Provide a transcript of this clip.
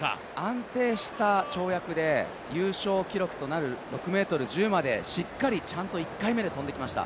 安定した跳躍で優勝記録となる６ｍ１０までしっかりちゃんと１回目で跳んできました。